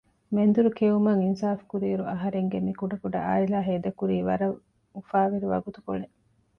މެންދުރުގެ ކެއުމަށް އިންސާފުކުރިއިރު އަހަރެންގެ މި ކުޑަކުޑަ އާއިލާ ހޭދަކުރީ ވަރަށް އުފާވެރި ވަގުތުކޮޅެއް